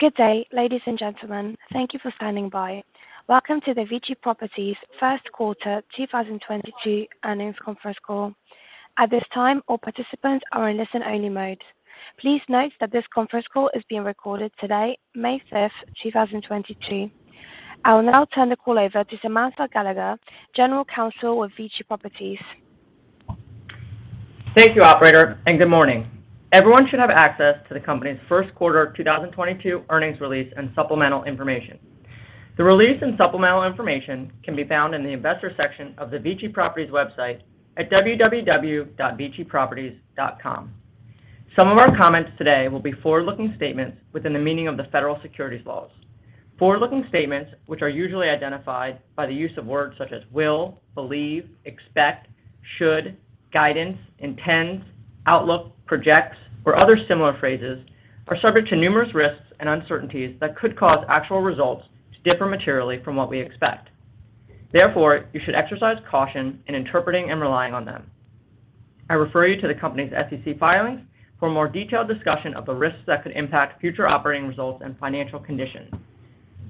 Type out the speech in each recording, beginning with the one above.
Good day, ladies and gentlemen. Thank you for standing by. Welcome to the VICI Properties Q1 2022 Earnings Conference Call. At this time, all participants are in listen only mode. Please note that this conference call is being recorded today, May 5, 2022. I will now turn the call over to Samantha Sacks Gallagher, General Counsel of VICI Properties. Thank you, operator, and good morning. Everyone should have access to the company's first quarter 2022 earnings release and supplemental information. The release and supplemental information can be found in the investor section of the VICI Properties website at www.viciproperties.com. Some of our comments today will be forward-looking statements within the meaning of the federal securities laws. Forward-looking statements, which are usually identified by the use of words such as will, believe, expect, should, guidance, intends, outlook, projects, or other similar phrases, are subject to numerous risks and uncertainties that could cause actual results to differ materially from what we expect. Therefore, you should exercise caution in interpreting and relying on them. I refer you to the company's SEC filings for more detailed discussion of the risks that could impact future operating results and financial conditions.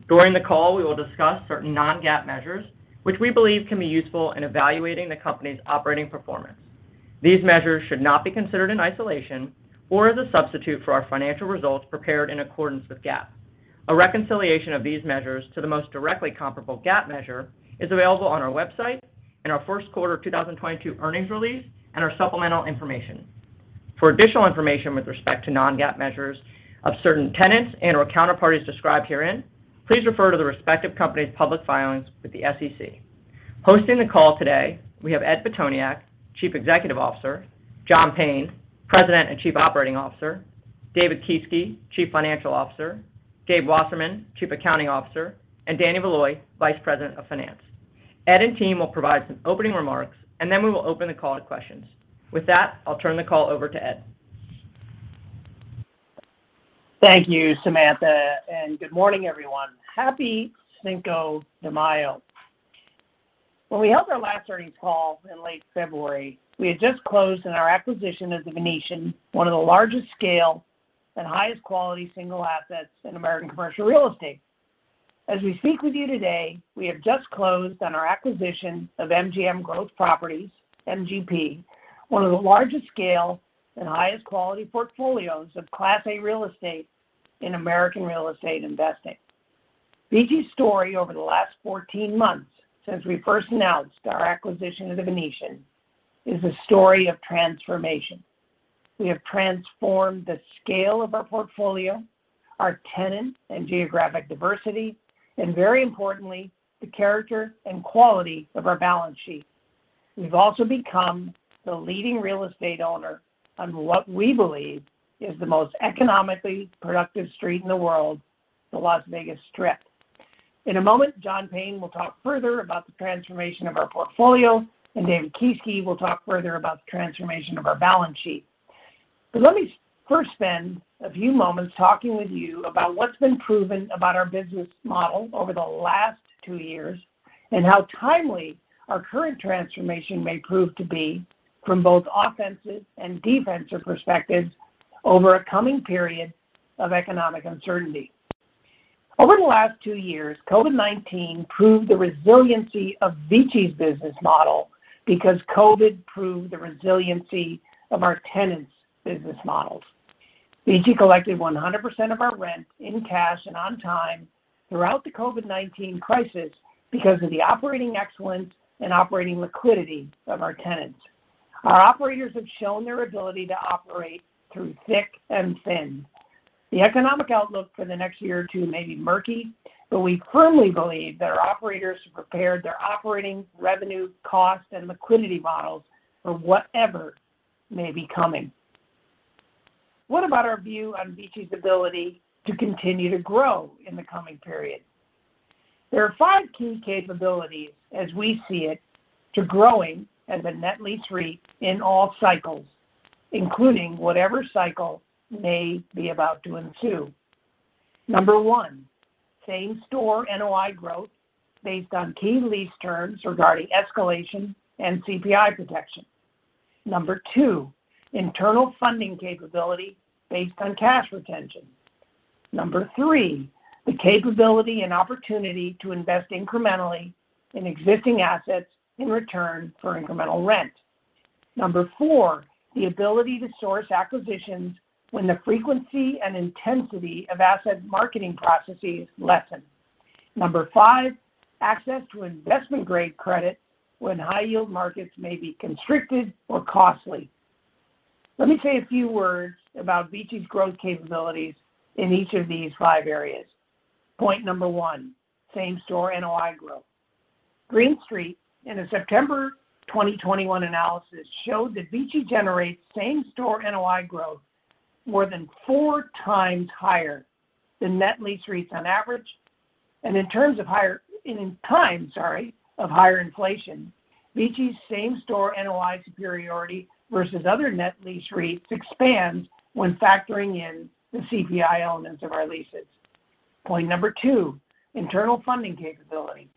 During the call, we will discuss certain non-GAAP measures which we believe can be useful in evaluating the company's operating performance. These measures should not be considered in isolation or as a substitute for our financial results prepared in accordance with GAAP. A reconciliation of these measures to the most directly comparable GAAP measure is available on our website in our Q1 2022 earnings release and our supplemental information. For additional information with respect to non-GAAP measures of certain tenants and/or counterparties described herein, please refer to the respective company's public filings with the SEC. Hosting the call today we have Ed Pitoniak, Chief Executive Officer, John Payne, President and Chief Operating Officer, David Kieske, Chief Financial Officer, Gabe Wasserman, Chief Accounting Officer, and Danny Valoy, Vice President of Finance. Ed and team will provide some opening remarks, and then we will open the call to questions. With that, I'll turn the call over to Ed. Thank you, Samantha, and good morning, everyone. Happy Cinco de Mayo. When we held our last earnings call in late February, we had just closed on our acquisition of The Venetian, one of the largest scale and highest quality single assets in American commercial real estate. As we speak with you today, we have just closed on our acquisition of MGM Growth Properties, MGP, one of the largest scale and highest quality portfolios of Class A real estate in American real estate investing. VICI's story over the last 14 months since we first announced our acquisition of The Venetian is a story of transformation. We have transformed the scale of our portfolio, our tenant, and geographic diversity, and very importantly, the character and quality of our balance sheet. We've also become the leading real estate owner on what we believe is the most economically productive street in the world, the Las Vegas Strip. In a moment, John Payne will talk further about the transformation of our portfolio, and David Kieske will talk further about the transformation of our balance sheet. Let me first spend a few moments talking with you about what's been proven about our business model over the last two years and how timely our current transformation may prove to be from both offensive and defensive perspectives over a coming period of economic uncertainty. Over the last two years, COVID-19 proved the resiliency of VICI's business model because COVID proved the resiliency of our tenants' business models. VICI collected 100% of our rent in cash and on time throughout the COVID-19 crisis because of the operating excellence and operating liquidity of our tenants. Our operators have shown their ability to operate through thick and thin. The economic outlook for the next year or two may be murky, but we firmly believe that our operators have prepared their operating revenue costs and liquidity models for whatever may be coming. What about our view on VICI's ability to continue to grow in the coming period? There are five key capabilities as we see it to growing as a net lease REIT in all cycles, including whatever cycle may be about to ensue. Number one, same store NOI growth based on key lease terms regarding escalation and CPI protection. Number two, internal funding capability based on cash retention. Number three, the capability and opportunity to invest incrementally in existing assets in return for incremental rent. Number four, the ability to source acquisitions when the frequency and intensity of asset marketing processes lessen. Number 5, access to investment grade credit when high yield markets may be constricted or costly. Let me say a few words about VICI's growth capabilities in each of these 5 areas. Point number 1, same store NOI growth. Green Street in a September 2021 analysis showed that VICI generates same store NOI growth more than 4 times higher than net lease REITs on average. In times of higher inflation, VICI's same store NOI superiority versus other net lease REITs expands when factoring in the CPI elements of our leases. Point number 2, internal funding capability.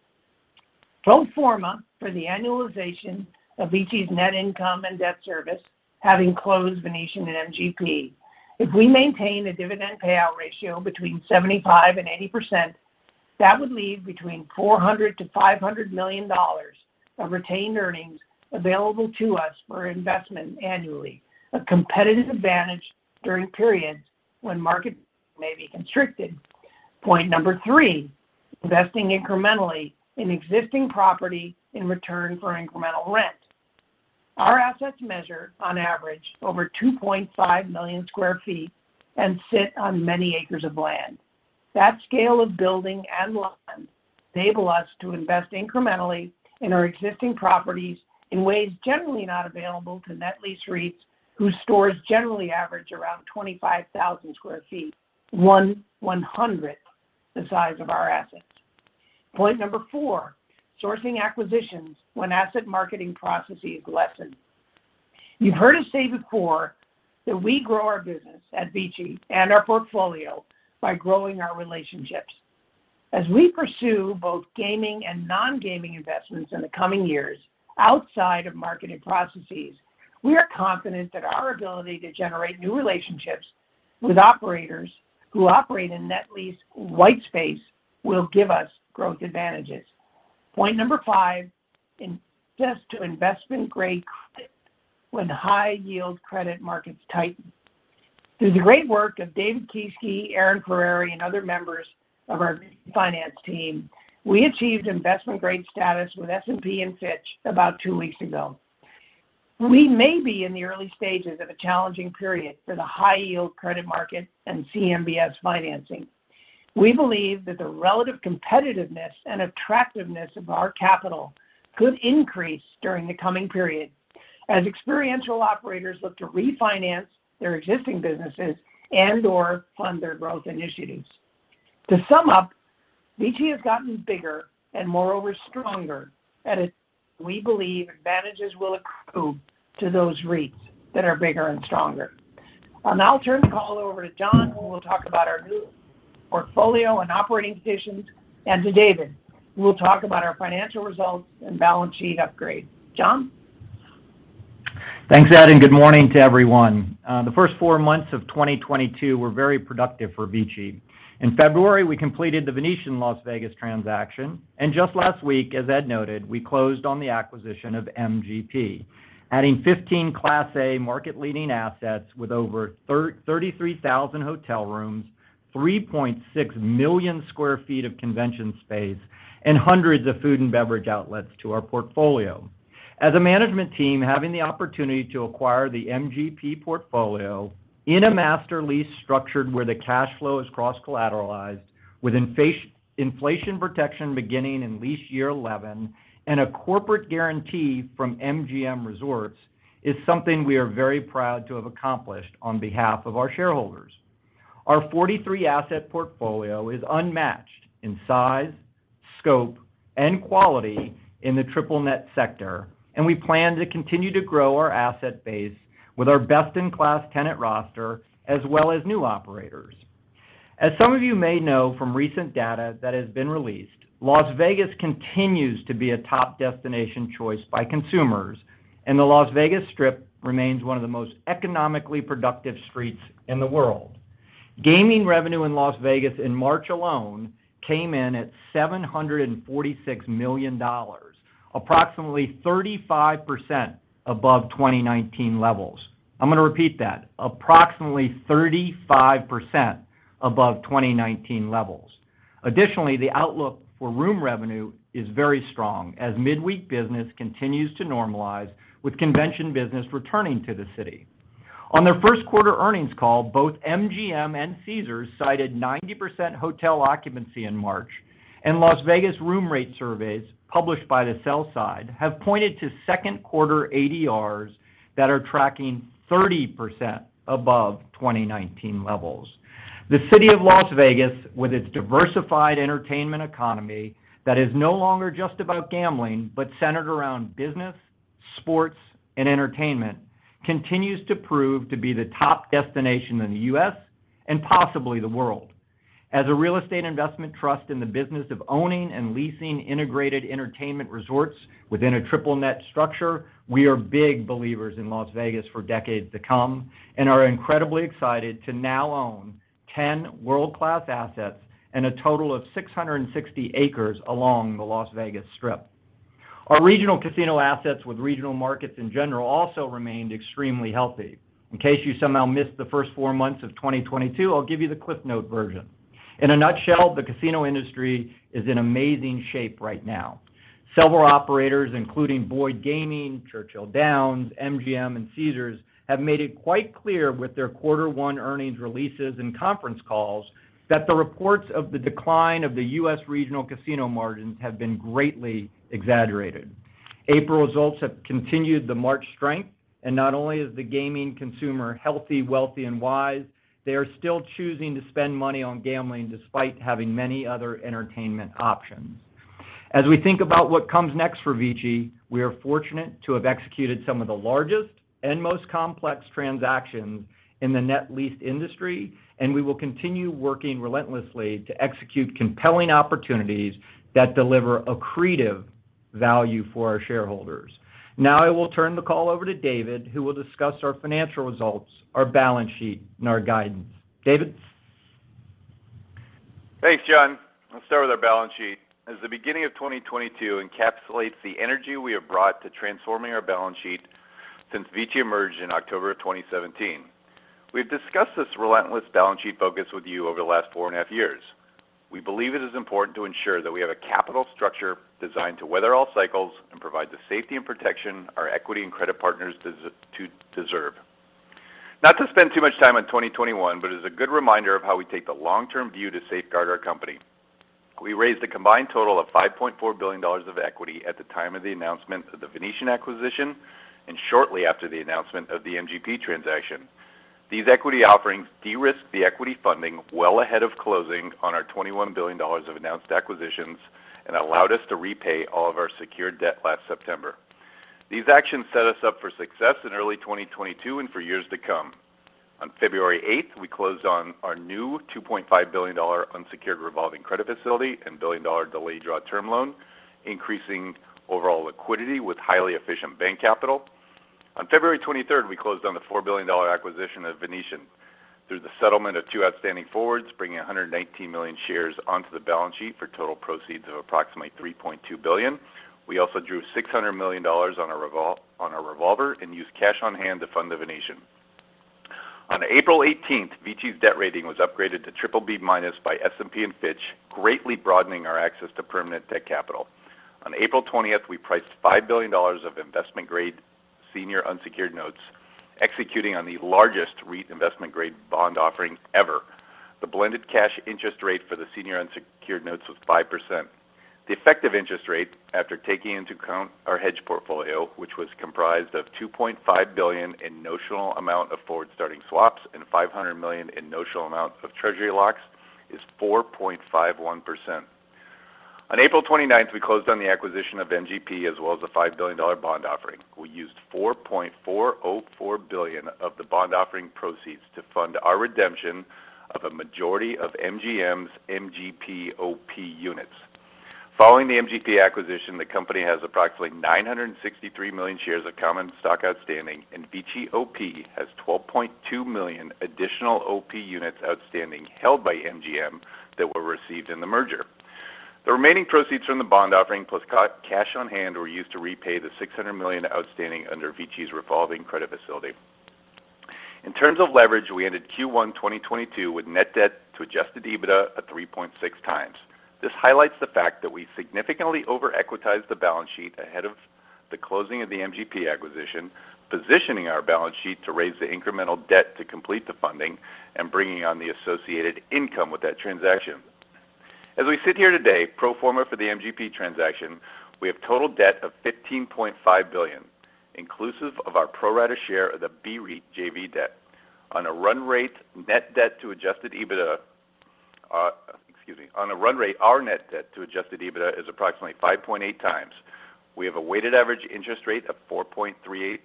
Pro forma for the annualization of VICI's net income and debt service, having closed Venetian and MGP. If we maintain a dividend payout ratio between 75% and 80%, that would leave between $400 million-$500 million of retained earnings available to us for investment annually, a competitive advantage during periods when market may be constricted. Point number three, investing incrementally in existing property in return for incremental rent. Our assets measure on average over 2.5 million sq ft and sit on many acres of land. That scale of building and land enable us to invest incrementally in our existing properties in ways generally not available to net lease REITs whose stores generally average around 25,000 sq ft, 1/100th the size of our assets. Point number four, sourcing acquisitions when asset marketing processes lessen. You've heard us say before that we grow our business at VICI and our portfolio by growing our relationships. As we pursue both gaming and non-gaming investments in the coming years outside of marketing processes, we are confident that our ability to generate new relationships with operators who operate in net lease white space will give us growth advantages. Point number five, invest to investment grade when high yield credit markets tighten. Through the great work of David Kieske, Erin Ferreri, and other members of our finance team, we achieved investment grade status with S&P and Fitch about two weeks ago. We may be in the early stages of a challenging period for the high yield credit market and CMBS financing. We believe that the relative competitiveness and attractiveness of our capital could increase during the coming period as experiential operators look to refinance their existing businesses and/or fund their growth initiatives. To sum up, VICI has gotten bigger and moreover stronger, and we believe advantages will accrue to those REITs that are bigger and stronger. I'll now turn the call over to John, who will talk about our new portfolio and operating positions, and to David, who will talk about our financial results and balance sheet upgrade. John? Thanks, Ed, and good morning to everyone. The first four months of 2022 were very productive for VICI. In February, we completed the Venetian Las Vegas transaction, and just last week, as Ed noted, we closed on the acquisition of MGP, adding 15 class A market leading assets with over 33,000 hotel rooms, 3.6 million sq ft of convention space, and hundreds of food and beverage outlets to our portfolio. As a management team, having the opportunity to acquire the MGP portfolio in a master lease structured where the cash flow is cross-collateralized with inflation protection beginning in lease year 11 and a corporate guarantee from MGM Resorts is something we are very proud to have accomplished on behalf of our shareholders. Our 43 asset portfolio is unmatched in size, scope, and quality in the triple net sector, and we plan to continue to grow our asset base with our best in class tenant roster as well as new operators. As some of you may know from recent data that has been released, Las Vegas continues to be a top destination choice by consumers, and the Las Vegas Strip remains one of the most economically productive streets in the world. Gaming revenue in Las Vegas in March alone came in at $746 million, approximately 35% above 2019 levels. I'm going to repeat that, approximately 35% above 2019 levels. Additionally, the outlook for room revenue is very strong as midweek business continues to normalize with convention business returning to the city. On their first quarter earnings call, both MGM and Caesars cited 90% hotel occupancy in March, and Las Vegas room rate surveys published by the sell-side have pointed to second quarter ADRs that are tracking 30% above 2019 levels. The city of Las Vegas, with its diversified entertainment economy that is no longer just about gambling, but centered around business, sports, and entertainment, continues to prove to be the top destination in the U.S. and possibly the world. As a real estate investment trust in the business of owning and leasing integrated entertainment resorts within a triple net structure, we are big believers in Las Vegas for decades to come and are incredibly excited to now own 10 world-class assets and a total of 660 acres along the Las Vegas Strip. Our regional casino assets with regional markets in general also remained extremely healthy. In case you somehow missed the first four months of 2022, I'll give you the Cliff Notes version. In a nutshell, the casino industry is in amazing shape right now. Several operators, including Boyd Gaming, Churchill Downs, MGM, and Caesars, have made it quite clear with their quarter one earnings releases and conference calls that the reports of the decline of the U.S. regional casino margins have been greatly exaggerated. April results have continued the March strength, and not only is the gaming consumer healthy, wealthy, and wise, they are still choosing to spend money on gambling despite having many other entertainment options. As we think about what comes next for VICI, we are fortunate to have executed some of the largest and most complex transactions in the net lease industry, and we will continue working relentlessly to execute compelling opportunities that deliver accretive value for our shareholders. Now I will turn the call over to David, who will discuss our financial results, our balance sheet, and our guidance. David? Thanks, John. I'll start with our balance sheet. As the beginning of 2022 encapsulates the energy we have brought to transforming our balance sheet since VICI emerged in October of 2017. We've discussed this relentless balance sheet focus with you over the last four and a half years. We believe it is important to ensure that we have a capital structure designed to weather all cycles and provide the safety and protection our equity and credit partners deserve. Not to spend too much time on 2021, but as a good reminder of how we take the long-term view to safeguard our company. We raised a combined total of $5.4 billion of equity at the time of the announcement of The Venetian acquisition and shortly after the announcement of the MGP transaction. These equity offerings de-risked the equity funding well ahead of closing on our $21 billion of announced acquisitions and allowed us to repay all of our secured debt last September. These actions set us up for success in early 2022 and for years to come. On February eighth, we closed on our new $2.5 billion unsecured revolving credit facility and $1 billion delayed draw term loan, increasing overall liquidity with highly efficient bank capital. On February twenty-third, we closed on the $4 billion acquisition of Venetian through the settlement of two outstanding forwards, bringing 119 million shares onto the balance sheet for total proceeds of approximately $3.2 billion. We also drew $600 million on our revolver and used cash on hand to fund The Venetian. On April 18, VICI's debt rating was upgraded to BBB- by S&P and Fitch, greatly broadening our access to permanent debt capital. On April 20, we priced $5 billion of investment-grade senior unsecured notes, executing on the largest REIT investment-grade bond offering ever. The blended cash interest rate for the senior unsecured notes was 5%. The effective interest rate after taking into account our hedge portfolio, which was comprised of $2.5 billion in notional amount of forward-starting swaps and $500 million in notional amounts of Treasury locks, is 4.51%. On April 29, we closed on the acquisition of MGP as well as a $5 billion bond offering. We used $4.404 billion of the bond offering proceeds to fund our redemption of a majority of MGM's MGP OP units. Following the MGP acquisition, the company has approximately 963 million shares of common stock outstanding, and VICI OP has 12.2 million additional OP units outstanding held by MGM that were received in the merger. The remaining proceeds from the bond offering, plus cash on hand, were used to repay the $600 million outstanding under VICI's revolving credit facility. In terms of leverage, we ended Q1 2022 with net debt to adjusted EBITDA at 3.6 times. This highlights the fact that we significantly over-equitized the balance sheet ahead of the closing of the MGP acquisition, positioning our balance sheet to raise the incremental debt to complete the funding and bringing on the associated income with that transaction. As we sit here today, pro forma for the MGP transaction, we have total debt of $15.5 billion, inclusive of our pro rata share of the BREIT JV debt. On a run rate, our net debt to adjusted EBITDA is approximately 5.8x. We have a weighted average interest rate of 4.38%,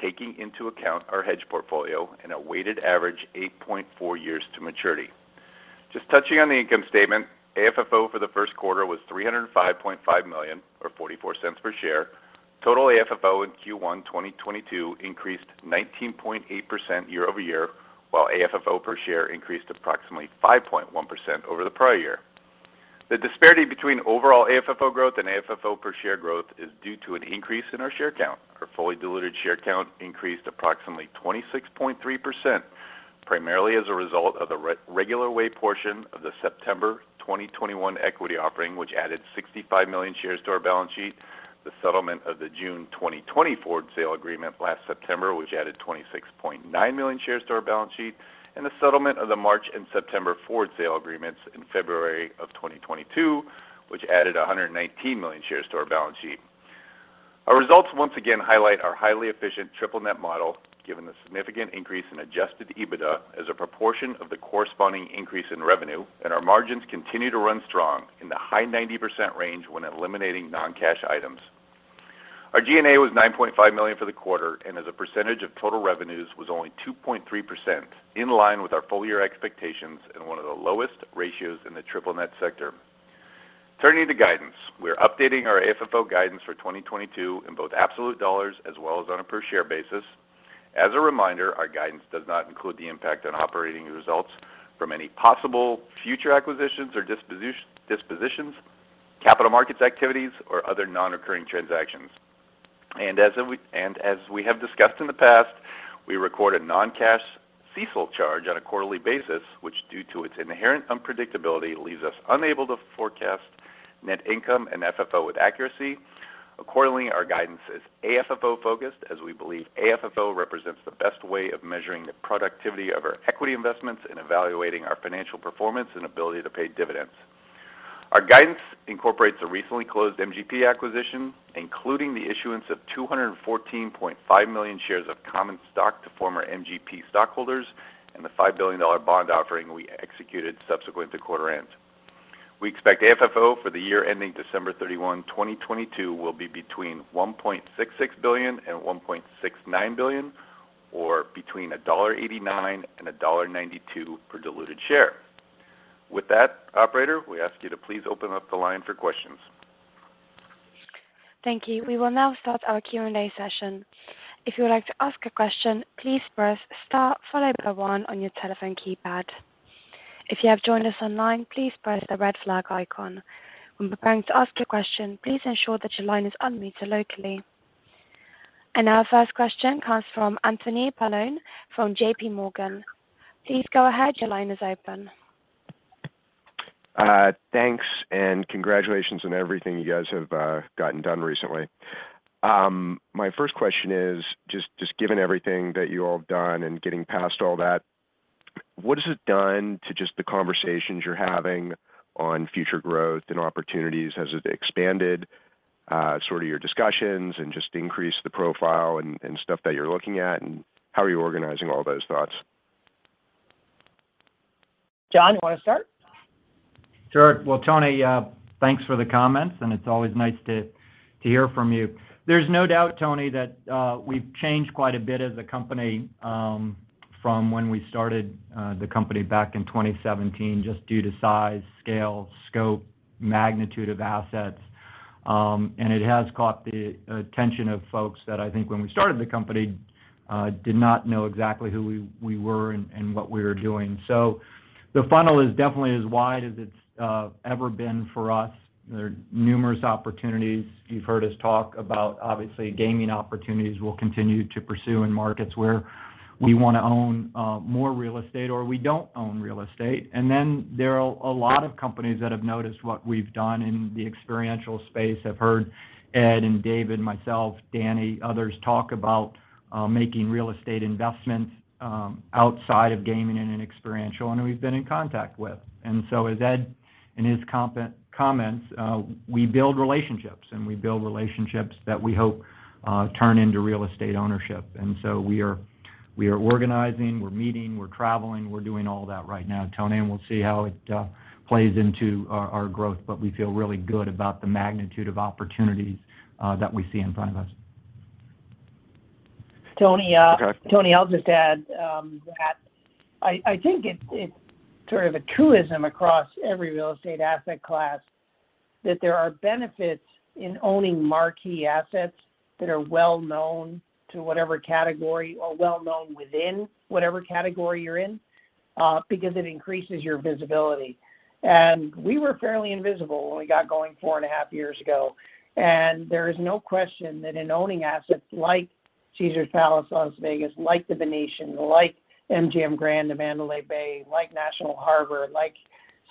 taking into account our hedge portfolio and a weighted average 8.4 years to maturity. Just touching on the income statement, AFFO for the first quarter was $305.5 million or $0.44 per share. Total AFFO in Q1 2022 increased 19.8% year-over-year, while AFFO per share increased approximately 5.1% over the prior year. The disparity between overall AFFO growth and AFFO per share growth is due to an increase in our share count. Our fully diluted share count increased approximately 26.3%, primarily as a result of the regular way portion of the September 2021 equity offering, which added 65 million shares to our balance sheet, the settlement of the June 2020 forward sale agreement last September, which added 26.9 million shares to our balance sheet, and the settlement of the March and September forward sale agreements in February of 2022, which added 119 million shares to our balance sheet. Our results once again highlight our highly efficient triple net model, given the significant increase in adjusted EBITDA as a proportion of the corresponding increase in revenue, and our margins continue to run strong in the high 90% range when eliminating non-cash items. Our G&A was $9.5 million for the quarter and as a percentage of total revenues was only 2.3%, in line with our full-year expectations and one of the lowest ratios in the triple net sector. Turning to guidance, we are updating our AFFO guidance for 2022 in both absolute dollars as well as on a per share basis. As a reminder, our guidance does not include the impact on operating results from any possible future acquisitions or dispositions, capital markets activities, or other nonrecurring transactions. As we have discussed in the past, we record a non-cash CECL charge on a quarterly basis, which, due to its inherent unpredictability, leaves us unable to forecast net income and FFO with accuracy. Accordingly, our guidance is AFFO focused, as we believe AFFO represents the best way of measuring the productivity of our equity investments and evaluating our financial performance and ability to pay dividends. Our guidance incorporates the recently closed MGP acquisition, including the issuance of 214.5 million shares of common stock to former MGP stockholders and the $5 billion bond offering we executed subsequent to quarter end. We expect AFFO for the year ending December 31, 2022 will be between $1.66 billion and $1.69 billion, or between $1.89 and $1.92 per diluted share. With that, operator, we ask you to please open up the line for questions. Thank you. We will now start our Q&A session. If you would like to ask a question, please press star followed by one on your telephone keypad. If you have joined us online, please press the red flag icon. When preparing to ask a question, please ensure that your line is unmuted locally. Our first question comes from Anthony Paolone from JPMorgan. Please go ahead. Your line is open. Thanks, and congratulations on everything you guys have gotten done recently. My first question is, just given everything that you all have done and getting past all that, what has it done to just the conversations you're having on future growth and opportunities? Has it expanded sort of your discussions and just increased the profile and stuff that you're looking at? How are you organizing all those thoughts? John, you wanna start? Sure. Well, Tony, thanks for the comments, and it's always nice to hear from you. There's no doubt, Tony, that we've changed quite a bit as a company from when we started the company back in 2017 just due to size, scale, scope, magnitude of assets. It has caught the attention of folks that I think when we started the company did not know exactly who we were and what we were doing. The funnel is definitely as wide as it's ever been for us. There are numerous opportunities. You've heard us talk about, obviously, gaming opportunities we'll continue to pursue in markets where we want to own more real estate or we don't own real estate. There are a lot of companies that have noticed what we've done in the experiential space, have heard Ed and David, myself, Danny, others talk about making real estate investments outside of gaming and in experiential, and who we've been in contact with. As Ed in his comments, we build relationships that we hope turn into real estate ownership. We are organizing, we're meeting, we're traveling, we're doing all that right now, Tony, and we'll see how it plays into our growth. We feel really good about the magnitude of opportunities that we see in front of us. Tony, I'll just add that I think it's sort of a truism across every real estate asset class that there are benefits in owning marquee assets that are well known to whatever category or well known within whatever category you're in, because it increases your visibility. We were fairly invisible when we got going four and a half years ago. There is no question that in owning assets like Caesars Palace, Las Vegas, like the Venetian, like MGM Grand, the Mandalay Bay, like National Harbor, like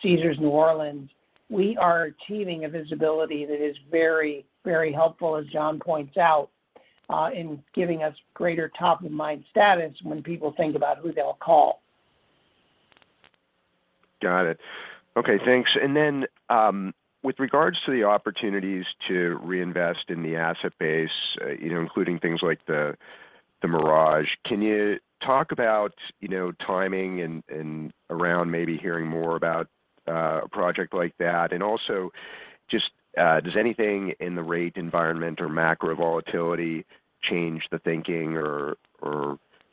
Caesars New Orleans, we are achieving a visibility that is very, very helpful, as John points out, in giving us greater top-of-mind status when people think about who they'll call. Got it. Okay, thanks. With regards to the opportunities to reinvest in the asset base, you know, including things like The Mirage, can you talk about, you know, timing and around maybe hearing more about a project like that? Does anything in the rate environment or macro volatility change the thinking or,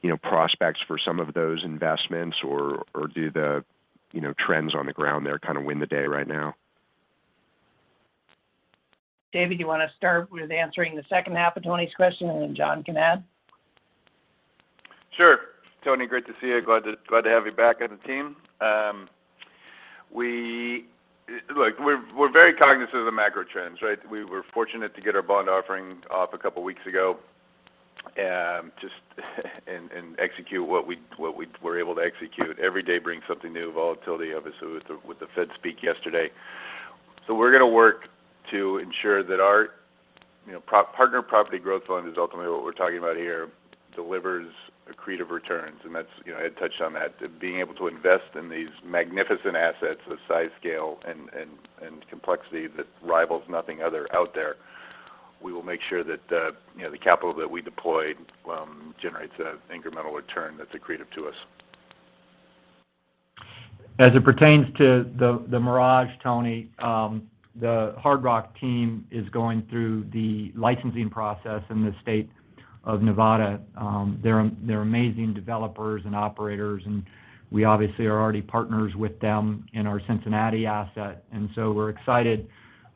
you know, prospects for some of those investments or do the, you know, trends on the ground there kind of win the day right now? David, you want to start with answering the second half of Tony's question, and then John can add? Sure. Tony, great to see you. Glad to have you back on the team. Look, we're very cognizant of the macro trends, right? We were fortunate to get our bond offering off a couple weeks ago, just and execute what we were able to execute. Every day brings something new, volatility, obviously, with the Fed speak yesterday. We're going to work to ensure that our, you know, partner property growth fund is ultimately what we're talking about here, delivers accretive returns, and that's, you know, Ed touched on that. To being able to invest in these magnificent assets of size, scale, and complexity that rivals nothing other out there. We will make sure that the, you know, the capital that we deployed generates a incremental return that's accretive to us. As it pertains to The Mirage, Tony, the Hard Rock team is going through the licensing process in the state of Nevada. They're amazing developers and operators, and we obviously are already partners with them in our Cincinnati asset. We're excited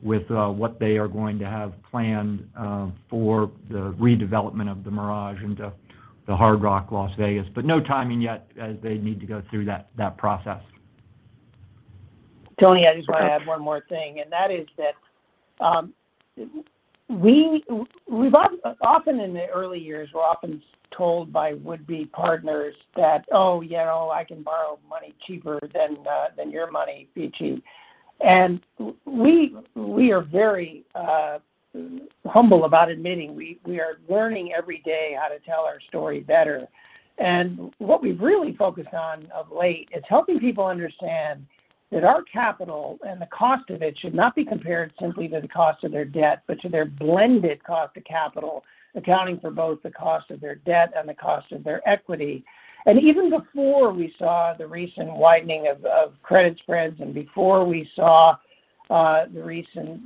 with what they are going to have planned for the redevelopment of The Mirage into the Hard Rock Las Vegas. No timing yet as they need to go through that process. Tony, I just wanna add one more thing, and that is that, we've often in the early years, we're often told by would-be partners that, "Oh, you know, I can borrow money cheaper than than your money, VICI." We are very humble about admitting we are learning every day how to tell our story better. What we've really focused on of late is helping people understand that our capital and the cost of it should not be compared simply to the cost of their debt, but to their blended cost of capital, accounting for both the cost of their debt and the cost of their equity. Even before we saw the recent widening of credit spreads and before we saw the recent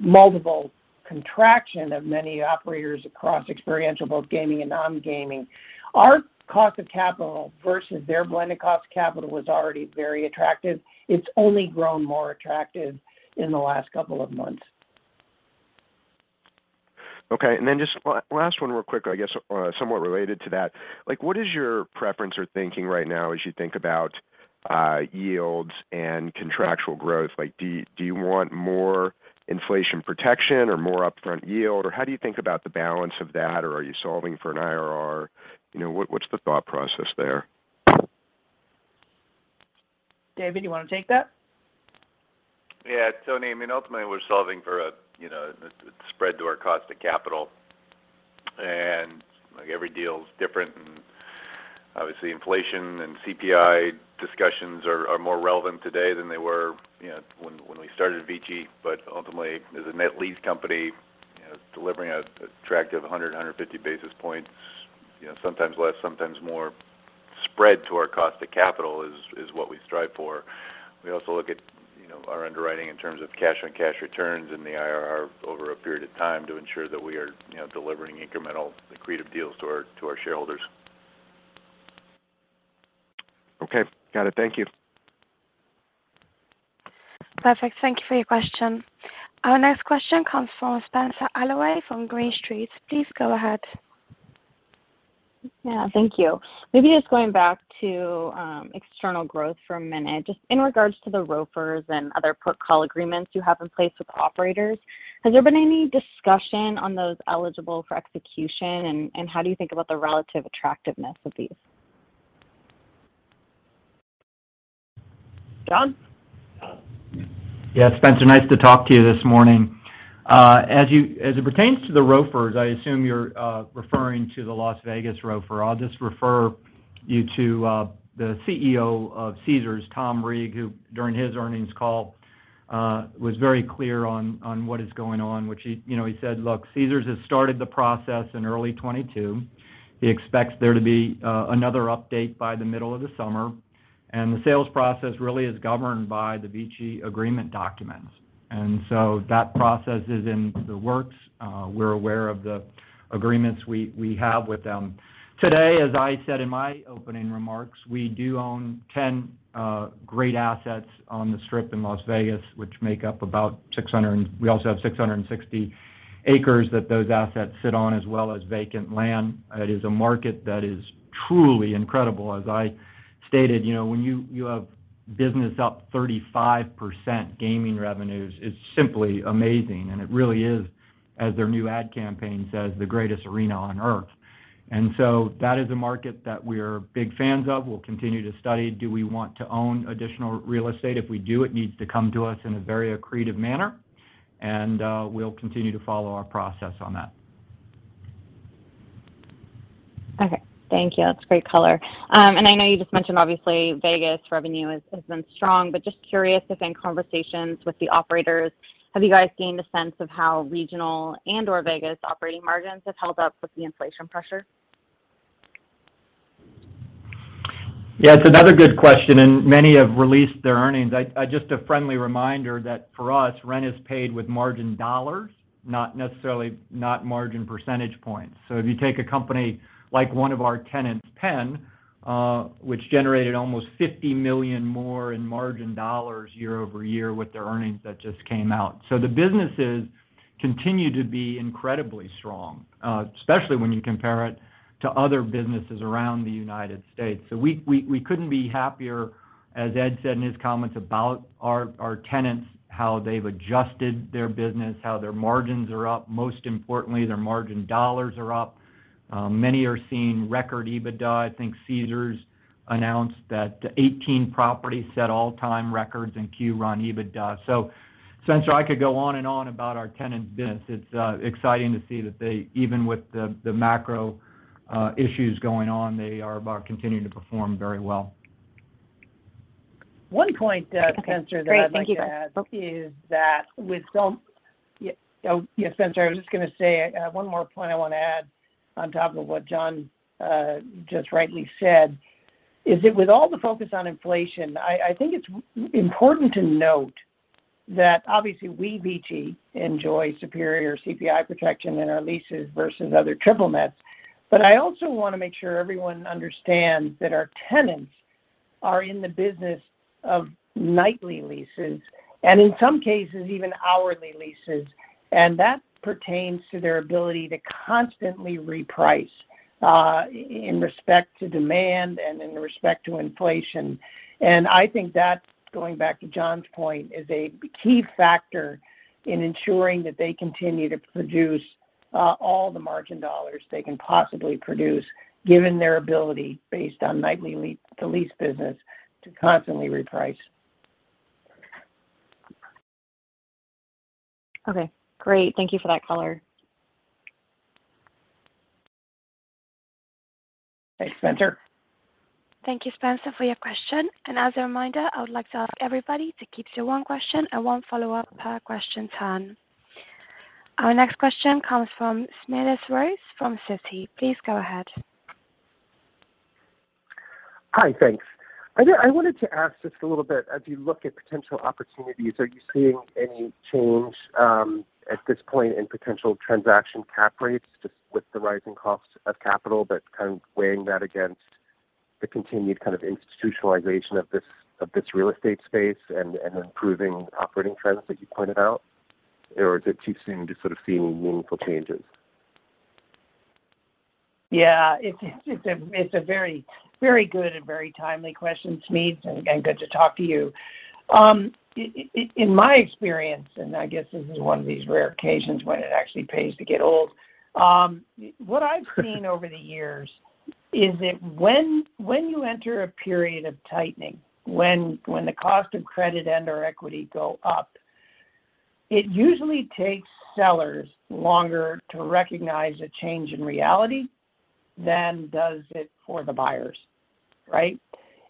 multiple contraction of many operators across experiential, both gaming and non-gaming. Our cost of capital versus their blended cost of capital was already very attractive. It's only grown more attractive in the last couple of months. Okay. Just last one real quick, I guess, somewhat related to that. Like, what is your preference or thinking right now as you think about yields and contractual growth? Like, do you want more inflation protection or more upfront yield, or how do you think about the balance of that? Or are you solving for an IRR? You know, what's the thought process there? David, you wanna take that? Yeah. Tony, I mean, ultimately, we're solving for a, you know, spread to our cost of capital. Like every deal is different. Obviously, inflation and CPI discussions are more relevant today than they were, you know, when we started VICI. Ultimately, as a net lease company, you know, delivering attractive 100 and 150 basis points, you know, sometimes less, sometimes more spread to our cost of capital is what we strive for. We also look at, you know, our underwriting in terms of cash and cash returns in the IRR over a period of time to ensure that we are, you know, delivering incremental accretive deals to our shareholders. Okay. Got it. Thank you. Perfect. Thank you for your question. Our next question comes from Spenser Allaway from Green Street. Please go ahead. Yeah, thank you. Maybe just going back to external growth for a minute. Just in regards to the ROFRs and other put call agreements you have in place with operators, has there been any discussion on those eligible for execution, and how do you think about the relative attractiveness of these? John. Yeah. Spenser, nice to talk to you this morning. As it pertains to the ROFRs, I assume you're referring to the Las Vegas ROFR. I'll just refer you to the CEO of Caesars, Thomas R. Reeg, who during his earnings call was very clear on what is going on, which he, you know, he said, look, Caesars has started the process in early 2022. He expects there to be another update by the middle of the summer, and the sales process really is governed by the VICI agreement documents. That process is in the works. We're aware of the agreements we have with them. Today, as I said in my opening remarks, we do own 10 great assets on the Strip in Las Vegas, which make up about 600 and... We also have 660 acres that those assets sit on, as well as vacant land. It is a market that is truly incredible. As I stated, you know, when you have business up 35% gaming revenues, it's simply amazing. It really is, as their new ad campaign says, the greatest arena on Earth. That is a market that we're big fans of. We'll continue to study. Do we want to own additional real estate? If we do, it needs to come to us in a very accretive manner, and we'll continue to follow our process on that. Okay. Thank you. That's great color. I know you just mentioned obviously Vegas revenue has been strong, but just curious if in conversations with the operators, have you guys gained a sense of how regional and/or Vegas operating margins have held up with the inflation pressure? Yeah, it's another good question, and many have released their earnings. Just a friendly reminder that for us, rent is paid with margin dollars, not necessarily margin percentage points. If you take a company like one of our tenants, Penn, which generated almost $50 million more in margin dollars year over year with their earnings that just came out. The businesses continue to be incredibly strong, especially when you compare it to other businesses around the United States. We couldn't be happier, as Ed said in his comments about our tenants, how they've adjusted their business, how their margins are up, most importantly, their margin dollars are up. Many are seeing record EBITDA. I think Caesars announced that 18 properties set all-time records in Q on EBITDA. Spencer, I could go on and on about our tenants' business. It's exciting to see that even with the macro issues going on, they are about continuing to perform very well. One point, Spenser, that I'd like to add. Okay. Great. Thank you, guys. Spenser, I was just gonna say, one more point I wanna add on top of what John just rightly said, is that with all the focus on inflation, I think it's important to note that obviously we, VICI, enjoy superior CPI protection in our leases versus other triple nets. But I also wanna make sure everyone understands that our tenants are in the business of nightly leases, and in some cases, even hourly leases, and that pertains to their ability to constantly reprice in respect to demand and in respect to inflation. I think that's going back to John's point, is a key factor in ensuring that they continue to produce all the margin dollars they can possibly produce, given their ability based on the nightly lease business to constantly reprice. Okay. Great. Thank you for that color. Thanks, Spenser. Thank you, Spenser, for your question. As a reminder, I would like to ask everybody to keep to one question and one follow-up per question turn. Our next question comes from Smedes Rose from Citi. Please go ahead. Hi, thanks. I wanted to ask just a little bit, as you look at potential opportunities, are you seeing any change at this point in potential transaction cap rates just with the rising costs of capital, but kind of weighing that against the continued kind of institutionalization of this real estate space and improving operating trends that you pointed out? Or is it too soon to sort of see meaningful changes? Yeah. It's a very good and very timely question, Smedes. Again, good to talk to you. In my experience, and I guess this is one of these rare occasions when it actually pays to get old, what I've seen over the years is that when you enter a period of tightening, when the cost of credit and/or equity go up, it usually takes sellers longer to recognize a change in reality than does it for the buyers, right?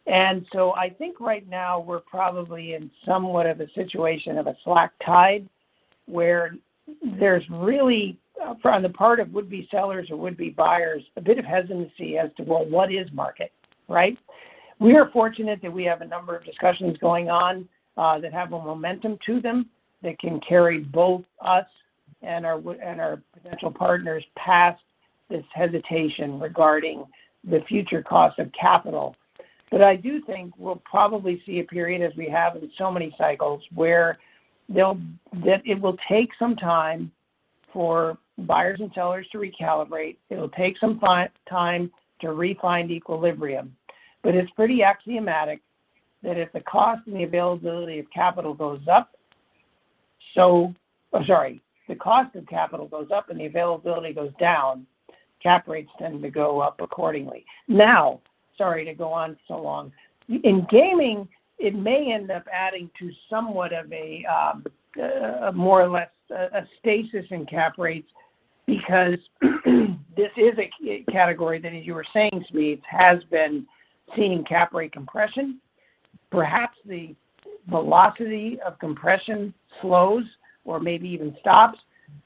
I think right now we're probably in somewhat of a situation of a slack tide, where there's really on the part of would-be sellers or would-be buyers, a bit of hesitancy as to, well, what is market, right? We are fortunate that we have a number of discussions going on that have a momentum to them that can carry both us and our potential partners past this hesitation regarding the future cost of capital. I do think we'll probably see a period as we have in so many cycles where it will take some time for buyers and sellers to recalibrate. It'll take some time to refind equilibrium. It's pretty axiomatic that if the cost of capital goes up and the availability goes down, cap rates tend to go up accordingly. Now, sorry to go on so long. In gaming, it may end up adding to somewhat of a more or less stasis in cap rates because this is a category that, as you were saying, Smedes, has been seeing cap rate compression. Perhaps the velocity of compression slows or maybe even stops,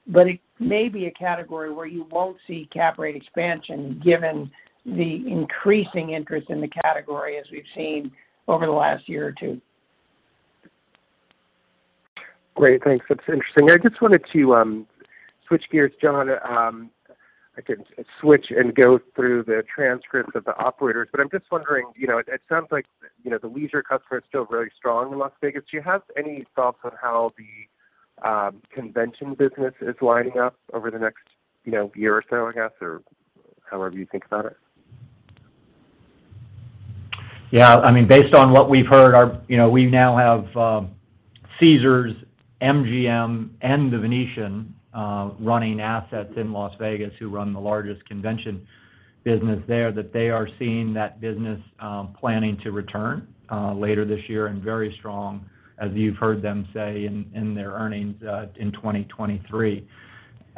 but it may be a category where you won't see cap rate expansion given the increasing interest in the category as we've seen over the last year or two. Great. Thanks. That's interesting. I just wanted to switch gears, John. I can switch and go through the transcript of the operators, but I'm just wondering, you know, it sounds like, you know, the leisure customer is still very strong in Las Vegas. Do you have any thoughts on how the convention business is lining up over the next, you know, year or so, I guess, or however you think about it? Yeah. I mean, based on what we've heard, you know, we now have Caesars, MGM, and The Venetian running assets in Las Vegas, who run the largest convention business there, that they are seeing that business planning to return later this year and very strong, as you've heard them say in their earnings in 2023.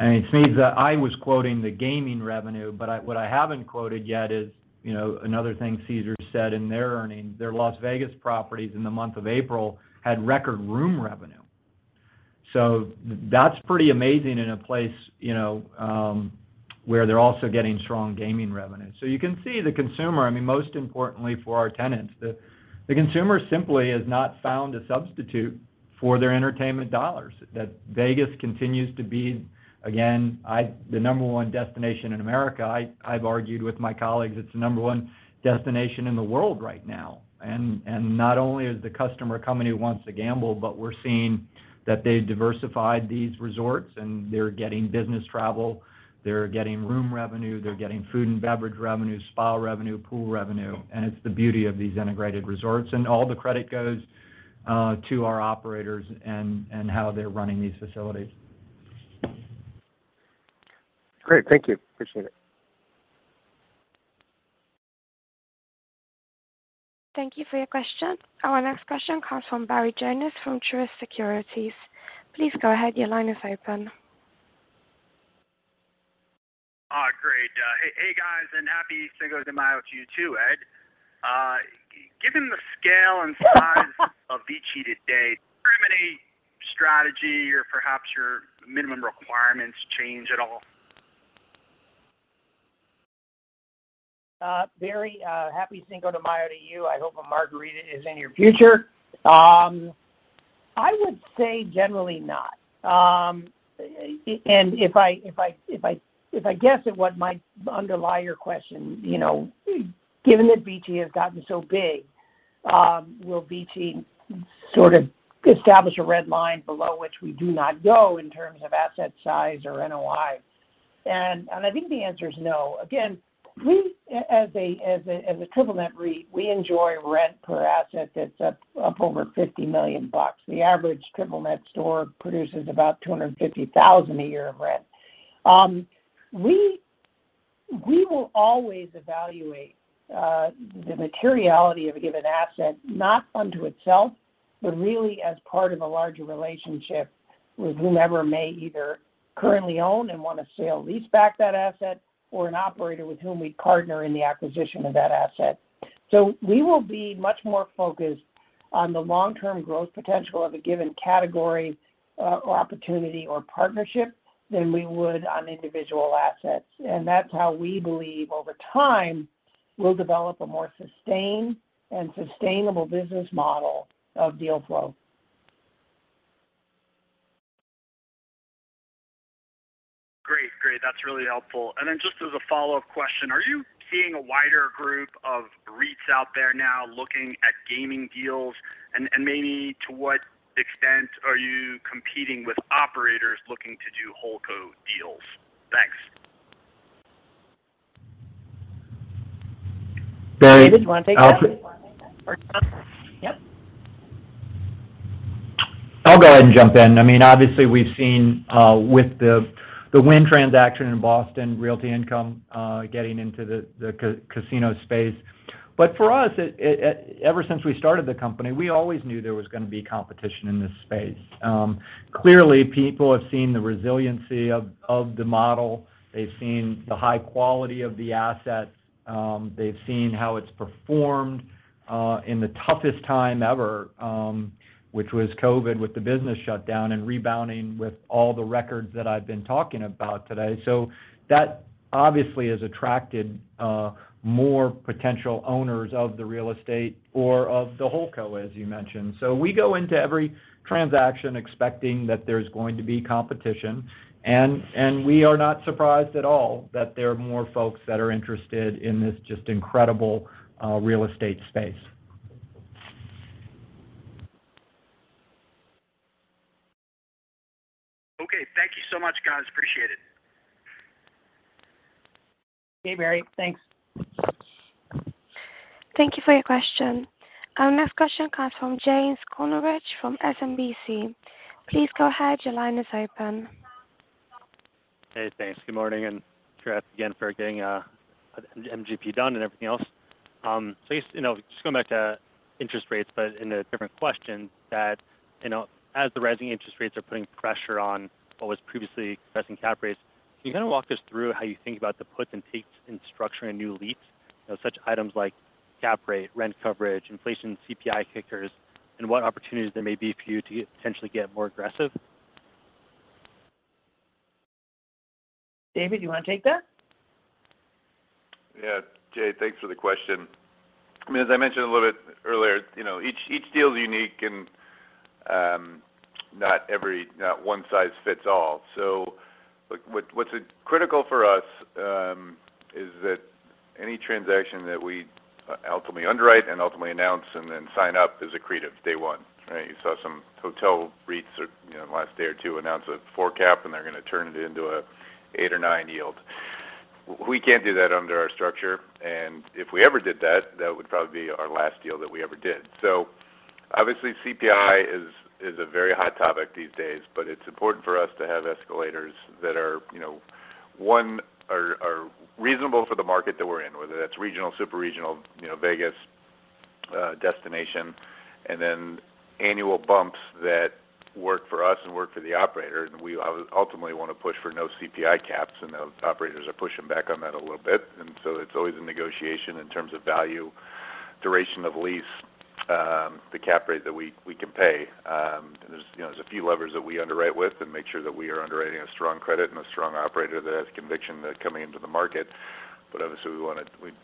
It seems that I was quoting the gaming revenue, but what I haven't quoted yet is, you know, another thing Caesars said in their earnings, their Las Vegas properties in the month of April had record room revenue. That's pretty amazing in a place, you know, where they're also getting strong gaming revenue. You can see the consumer. I mean, most importantly for our tenants, the consumer simply has not found a substitute for their entertainment dollars, that Vegas continues to be, again, the number one destination in America. I've argued with my colleagues, it's the number one destination in the world right now. Not only is the customer coming who wants to gamble, but we're seeing that they've diversified these resorts, and they're getting business travel, they're getting room revenue, they're getting food and beverage revenue, spa revenue, pool revenue, and it's the beauty of these integrated resorts. All the credit goes to our operators and how they're running these facilities. Great. Thank you. Appreciate it. Thank you for your question. Our next question comes from Barry Jonas from Truist Securities. Please go ahead. Your line is open. Great. Hey, guys, and happy Cinco de Mayo to you too, Ed. Given the scale and size of VICI to date, does any strategy or perhaps your minimum requirements change at all? Barry, happy Cinco de Mayo to you. I hope a margarita is in your future. I would say generally not. And if I guess at what might underlie your question, you know, given that VICI has gotten so big, will VICI sort of establish a red line below which we do not go in terms of asset size or NOI? I think the answer is no. Again, as a triple net REIT, we enjoy rent per asset that's up over $50 million. The average triple net store produces about $250,000 a year of rent. We will always evaluate the materiality of a given asset, not unto itself, but really as part of a larger relationship with whomever may either currently own and wanna sale/leaseback that asset or an operator with whom we'd partner in the acquisition of that asset. We will be much more focused on the long-term growth potential of a given category, or opportunity or partnership than we would on individual assets. That's how we believe, over time, we'll develop a more sustained and sustainable business model of deal flow. Great. That's really helpful. Just as a follow-up question, are you seeing a wider group of REITs out there now looking at gaming deals? Maybe to what extent are you competing with operators looking to do Holdco deals? Thanks. David, do you want take that? David, do you want to take that? Yep. I'll go ahead and jump in. I mean, obviously, we've seen with the Wynn transaction and Realty Income getting into the casino space. For us, ever since we started the company, we always knew there was going to be competition in this space. Clearly, people have seen the resiliency of the model. They've seen the high quality of the assets. They've seen how it's performed in the toughest time ever, which was COVID with the business shutdown and rebounding with all the records that I've been talking about today. That obviously has attracted more potential owners of the real estate or of the Holdco, as you mentioned. We go into every transaction expecting that there's going to be competition. We are not surprised at all that there are more folks that are interested in this just incredible real estate space. Okay. Thank you so much, guys. Appreciate it. Okay, Barry. Thanks. Thank you for your question. Our next question comes from Richard Anderson from SMBC. Please go ahead. Your line is open. Hey, thanks. Good morning, and congrats again for getting MGP done and everything else. I guess, you know, just going back to interest rates, but in a different question that, you know, as the rising interest rates are putting pressure on what was previously investment cap rates, can you kind of walk us through how you think about the puts and takes in structuring a new lease, you know, such items like cap rate, rent coverage, inflation, CPI kickers, and what opportunities there may be for you to potentially get more aggressive? David, you want to take that? Yeah. Jay, thanks for the question. I mean, as I mentioned a little bit earlier, you know, each deal is unique and not one size fits all. What's critical for us is that any transaction that we ultimately underwrite and ultimately announce and then sign up is accretive day one, right? You saw some hotel REITs, you know, in the last day or two announce a 4 cap, and they're going to turn it into an 8 or 9 yield. We can't do that under our structure. If we ever did that would probably be our last deal that we ever did. Obviously, CPI is a very hot topic these days, but it's important for us to have escalators that are, you know, reasonable for the market that we're in, whether that's regional, super regional, you know, Vegas, destination, and then annual bumps that work for us and work for the operator. We ultimately want to push for no CPI caps, and the operators are pushing back on that a little bit. It's always a negotiation in terms of value, duration of lease, the cap rate that we can pay. You know, there's a few levers that we underwrite with and make sure that we are underwriting a strong credit and a strong operator that has conviction that coming into the market. Obviously,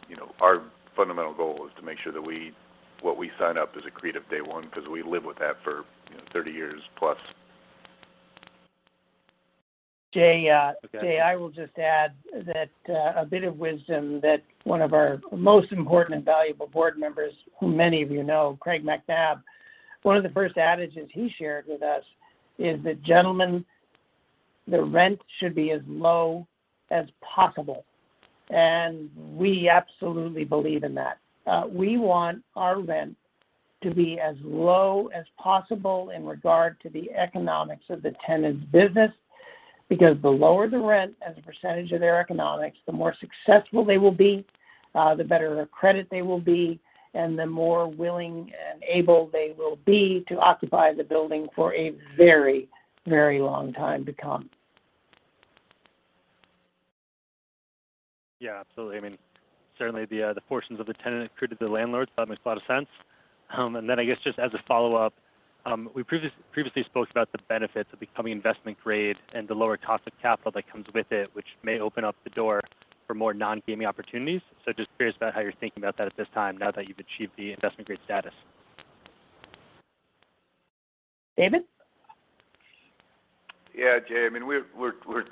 you know, our fundamental goal is to make sure that what we sign up is accretive day one because we live with that for 30+ years. Jay, Okay. Jay, I will just add that, a bit of wisdom that one of our most important and valuable board members, who many of you know, Craig Macnab, one of the first adages he shared with us is that, "Gentlemen, the rent should be as low as possible." We absolutely believe in that. We want our rent to be as low as possible in regard to the economics of the tenant's business. Because the lower the rent as a percentage of their economics, the more successful they will be, the better their credit they will be, and the more willing and able they will be to occupy the building for a very, very long time to come. Yeah, absolutely. I mean, certainly the portions of the tenant accreted to the landlords, that makes a lot of sense. I guess just as a follow-up, we previously spoke about the benefits of becoming investment grade and the lower cost of capital that comes with it, which may open up the door for more non-gaming opportunities. Just curious about how you're thinking about that at this time now that you've achieved the investment grade status. David? Yeah, Jay. I mean, we're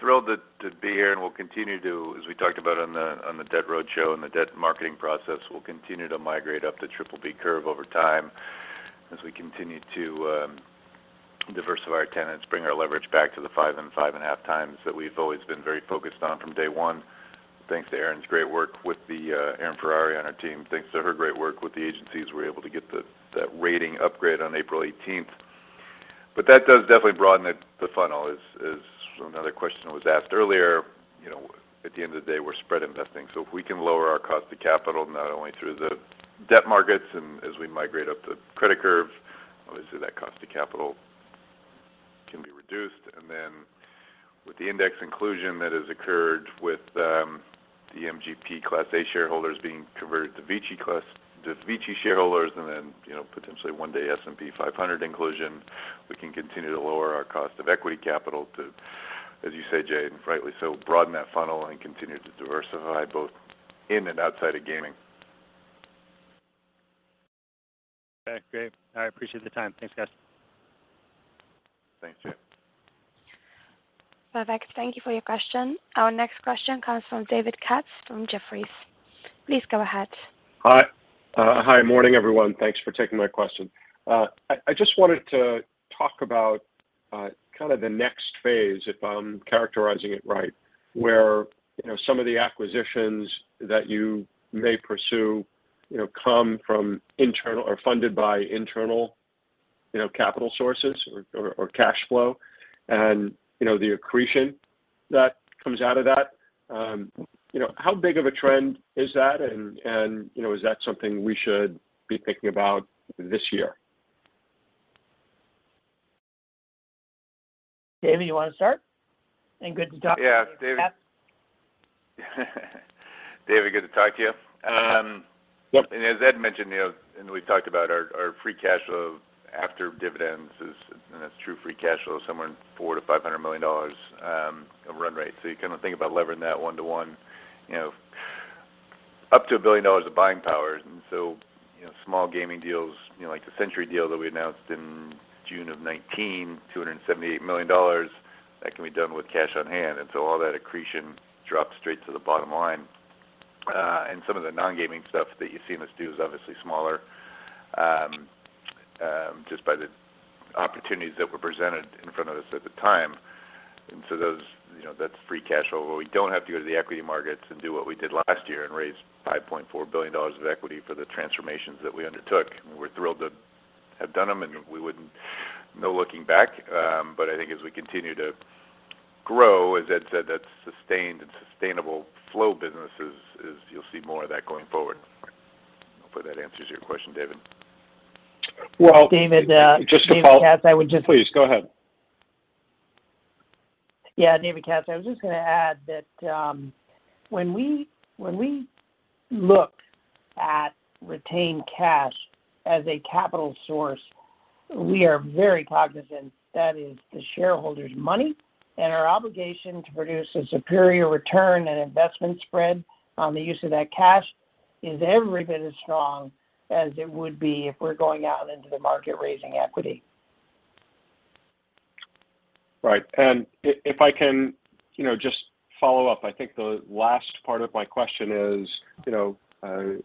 thrilled to be here, and we'll continue to, as we talked about on the debt roadshow and the debt marketing process, we'll continue to migrate up the triple-B curve over time as we continue to diversify our tenants, bring our leverage back to the 5 and 5.5 times that we've always been very focused on from day one. Thanks to Erin's great work with Erin Ferreri on our team. Thanks to her great work with the agencies, we're able to get that rating upgrade on April 18. That does definitely broaden the funnel, as another question was asked earlier. You know, at the end of the day, we're spread investing. If we can lower our cost of capital, not only through the debt markets and as we migrate up the credit curve, obviously, that cost of capital can be reduced. Then with the index inclusion that has occurred with the MGP class A shareholders being converted to VICI shareholders, and then, you know, potentially one day S&P 500 inclusion, we can continue to lower our cost of equity capital to, as you say, Jay, and rightly so, broaden that funnel and continue to diversify both in and outside of gaming. Okay, great. I appreciate the time. Thanks, guys. Thanks, Jay. Perfect. Thank you for your question. Our next question comes from David Katz from Jefferies. Please go ahead. Hi. Morning, everyone. Thanks for taking my question. I just wanted to talk about kind of the next phase, if I'm characterizing it right, where you know, some of the acquisitions that you may pursue you know, come from internal or funded by internal you know, capital sources or cash flow and you know, the accretion that comes out of that. You know, how big of a trend is that? You know, is that something we should be thinking about this year? David, you want to start? Good to talk to you. Yeah. David, good to talk to you. Yep. As Ed mentioned, you know, we've talked about our free cash flow after dividends, and that's true free cash flow, somewhere in $400 million-$500 million of run rate. You kind of think about levering that 1-to-1, you know, up to $1 billion of buying power. You know, small gaming deals, you know, like the Century deal that we announced in June of 2019, $278 million, that can be done with cash on hand. All that accretion drops straight to the bottom line. Some of the non-gaming stuff that you've seen us do is obviously smaller, just by the opportunities that were presented in front of us at the time. Those, you know, that's free cash flow, where we don't have to go to the equity markets and do what we did last year and raise $5.4 billion of equity for the transformations that we undertook. We're thrilled to have done them, and we wouldn't. No looking back. I think as we continue to grow, as Ed said, that sustained and sustainable free cash flow business is, you'll see more of that going forward. Hopefully that answers your question, David. Well, just a follow-up. David Katz, I would just- Please go ahead. Yeah. David Katz, I was just going to add that, when we look at retained cash as a capital source, we are very cognizant that is the shareholders' money and our obligation to produce a superior return and investment spread on the use of that cash is every bit as strong as it would be if we're going out into the market raising equity. Right. If I can, you know, just follow up, I think the last part of my question is, you know,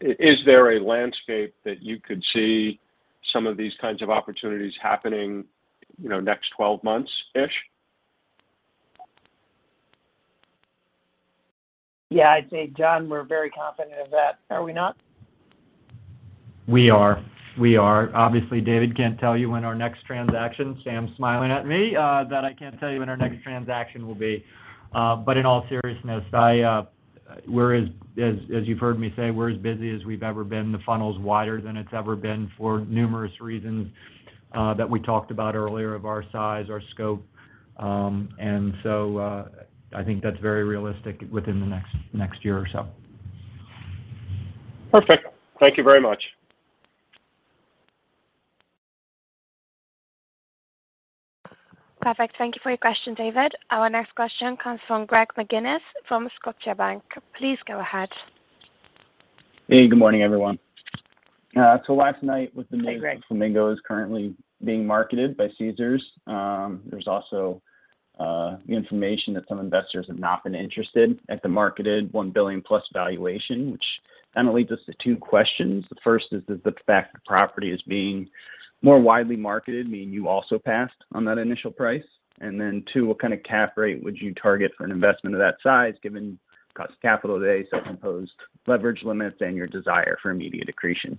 is there a landscape that you could see some of these kinds of opportunities happening, you know, next 12 months-ish? Yeah, I'd say, John, we're very confident of that. Are we not? We are. Obviously, David, Sam's smiling at me that I can't tell you when our next transaction will be. In all seriousness, we're as you've heard me say, we're as busy as we've ever been. The funnel's wider than it's ever been for numerous reasons that we talked about earlier of our size, our scope. I think that's very realistic within the next year or so. Perfect. Thank you very much. Perfect. Thank you for your question, David. Our next question comes from Greg McGinniss from Scotiabank. Please go ahead. Hey, good morning, everyone. Hey, Greg Flamingo is currently being marketed by Caesars. There's also information that some investors have not been interested at the marketed $1 billion+ valuation, which kind of leads us to two questions. The first is, does the fact the property is being more widely marketed mean you also passed on that initial price? 2, what kind of cap rate would you target for an investment of that size given cost of capital today, self-imposed leverage limits, and your desire for immediate accretion?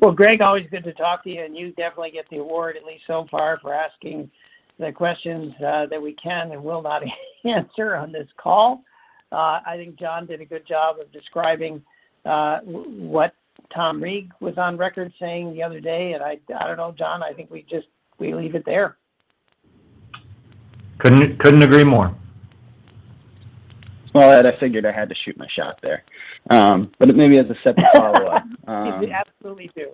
Well, Greg, always good to talk to you. You definitely get the award, at least so far, for asking the questions that we can and will not answer on this call. I think John did a good job of describing what Tom Reeg was on record saying the other day. I don't know, John. I think we just we leave it there. Couldn't agree more. Well, I'd figured I had to shoot my shot there. Maybe as a separate follow-up. You absolutely do.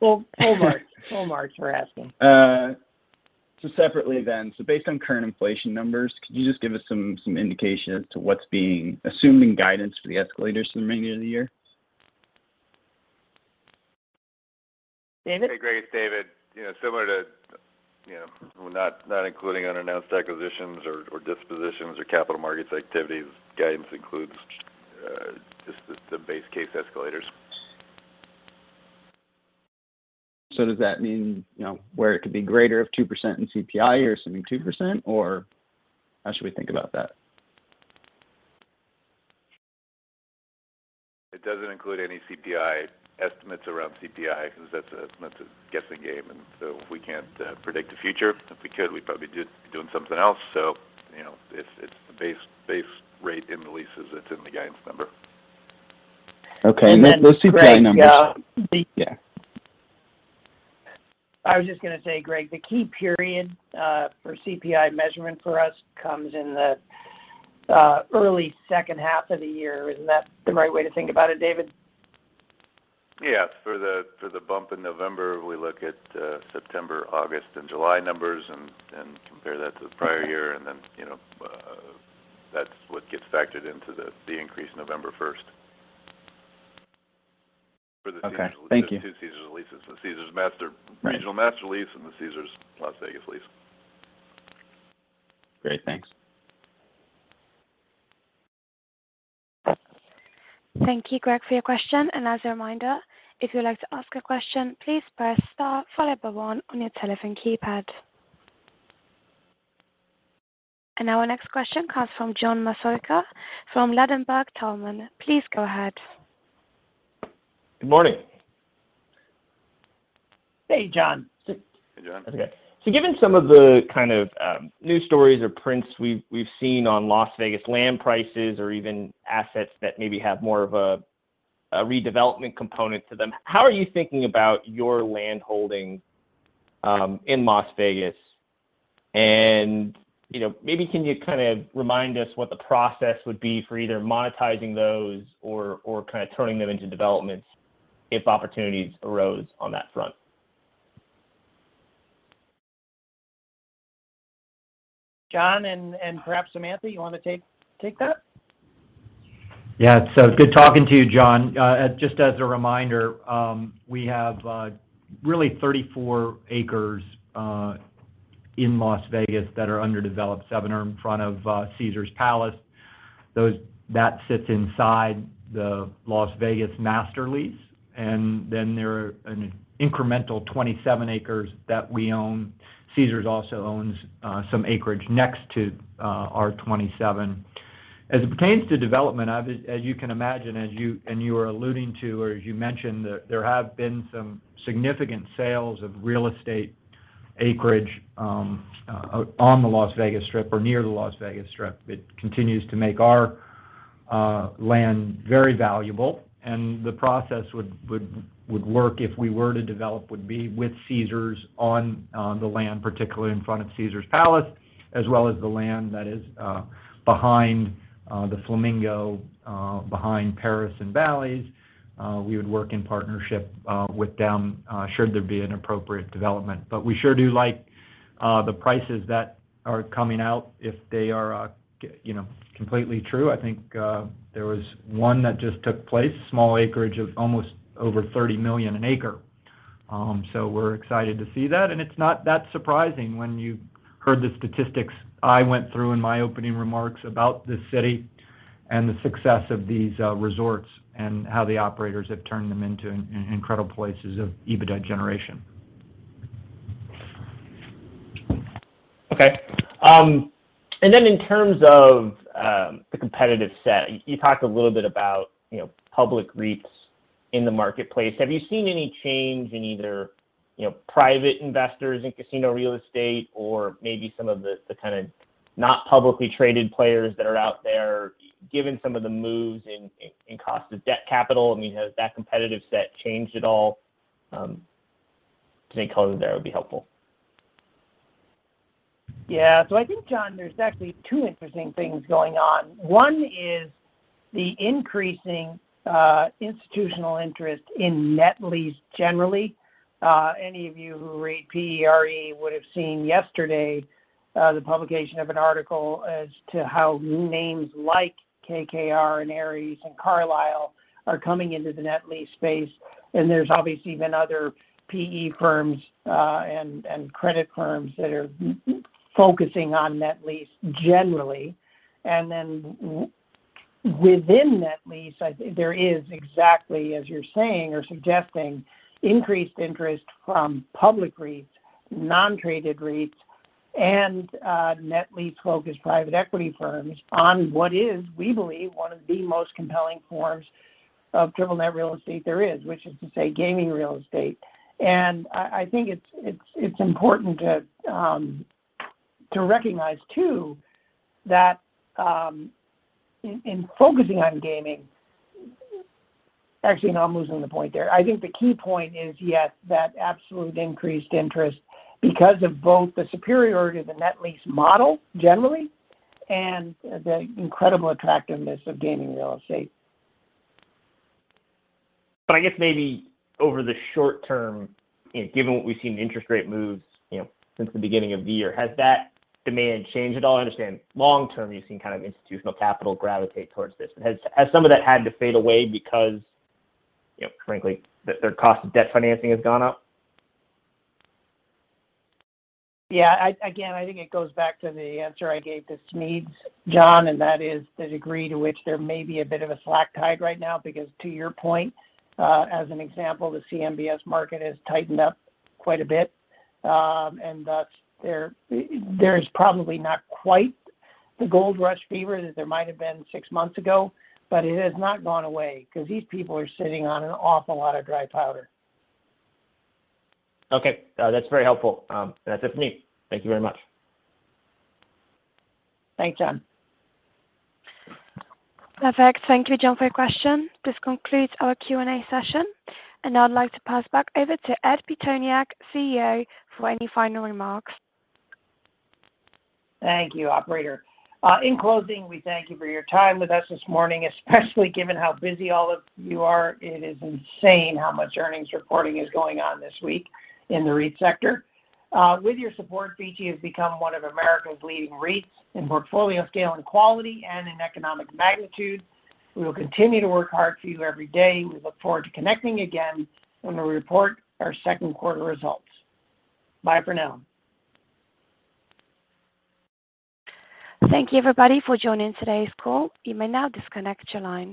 Well, full marks. Full marks for asking. Separately, based on current inflation numbers, could you just give us some indication as to what's being assumed in guidance for the escalators for the remainder of the year? David? Hey, Greg, it's David. You know, similar to, you know, not including unannounced acquisitions or dispositions or capital markets activities, guidance includes just the base case escalators. Does that mean, you know, where it could be greater of 2% in CPI or assuming 2%, or how should we think about that? It doesn't include any CPI estimates around CPI because that's a guessing game, and so we can't predict the future. If we could, we'd probably be doing something else. You know, it's the base rate in the lease Those CPI numbers. Greg, Yeah. I was just going to say, Greg, the key period for CPI measurement for us comes in the early second half of the year. Isn't that the right way to think about it, David? Yeah. For the bump in November, we look at September, August, and July numbers and compare that to the prior year. Then, you know, that's what gets factored into the increase November first. Okay. Thank you. For the Caesars, the two Caesars leases, the Caesars regional master lease and the Caesars Las Vegas lease. Great. Thanks. Thank you, Greg, for your question. As a reminder, if you'd like to ask a question, please press star followed by one on your telephone keypad. Our next question comes from John Massocca from Ladenburg Thalmann. Please go ahead. Good morning. Hey, John. Hey, John. Okay. Given some of the kind of news stories or prints we've seen on Las Vegas land prices or even assets that maybe have more of a redevelopment component to them, how are you thinking about your land holding in Las Vegas? You know, maybe can you kind of remind us what the process would be for either monetizing those or kind of turning them into developments if opportunities arose on that front? John and perhaps Samantha, you want to take that? Yeah. Good talking to you, John. Just as a reminder, we have really 34 acres in Las Vegas that are underdeveloped. 7 are in front of Caesars Palace. Those that sits inside the Las Vegas master lease. Then there are an incremental 27 acres that we own. Caesars also owns some acreage next to our 27. As it pertains to development, as you can imagine, as you are alluding to or as you mentioned, there have been some significant sales of real estate acreage on the Las Vegas Strip or near the Las Vegas Strip. It continues to make our land very valuable. The process would work if we were to develop, would be with Caesars on the land, particularly in front of Caesars Palace, as well as the land that is behind the Flamingo, behind Paris and Bally's. We would work in partnership with them should there be an appropriate development. But we sure do like the prices that are coming out if they are you know completely true. I think there was one that just took place, small acreage of almost over $30 million an acre. So we're excited to see that. It's not that surprising when you heard the statistics I went through in my opening remarks about this city and the success of these resorts and how the operators have turned them into incredible places of EBITDA generation. Okay. In terms of the competitive set, you talked a little bit about, you know, public REITs in the marketplace. Have you seen any change in either, you know, private investors in casino real estate or maybe some of the kind of not publicly traded players that are out there, given some of the moves in cost of debt capital? I mean, has that competitive set changed at all? To add color there would be helpful. Yeah. I think, John, there's actually two interesting things going on. One is the increasing institutional interest in net lease generally. Any of you who read PERE would have seen yesterday the publication of an article as to how names like KKR and Ares and Carlyle are coming into the net lease space. There's obviously been other PE firms and credit firms that are focusing on net lease generally. Within net lease, I think there is exactly, as you're saying or suggesting, increased interest from public REITs, non-traded REITs and net lease-focused private equity firms on what is, we believe, one of the most compelling forms of triple net real estate there is, which is to say gaming real estate. I think it's important to recognize too that in focusing on gaming. Actually, no, I'm losing the point there. I think the key point is, yes, that absolute increased interest because of both the superiority of the net lease model generally and the incredible attractiveness of gaming real estate. I guess maybe over the short term, you know, given what we've seen interest rate moves, you know, since the beginning of the year, has that demand changed at all? I understand long term, you've seen kind of institutional capital gravitate towards this. Has some of that had to fade away because, you know, frankly, their cost of debt financing has gone up? Yeah. Again, I think it goes back to the answer I gave to Smedes, John, and that is the degree to which there may be a bit of a slack tide right now. Because to your point, as an example, the CMBS market has tightened up quite a bit. There is probably not quite the gold rush fever that there might have been six months ago, but it has not gone away because these people are sitting on an awful lot of dry powder. Okay. That's very helpful. That's it for me. Thank you very much. Thanks, John. Perfect. Thank you, John, for your question. This concludes our Q&A session. I'd like to pass back over to Ed Pitoniak, CEO, for any final remarks. Thank you, operator. In closing, we thank you for your time with us this morning, especially given how busy all of you are. It is insane how much earnings reporting is going on this week in the REIT sector. With your support, VICI has become one of America's leading REITs in portfolio scale and quality and in economic magnitude. We will continue to work hard for you every day. We look forward to connecting again when we report our second quarter results. Bye for now. Thank you everybody for joining today's call. You may now disconnect your line.